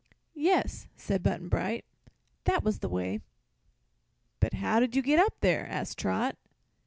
"Yes," said Button Bright; "that was the way." "But how did you get up there?" asked Trot.